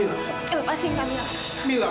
apa sih kamila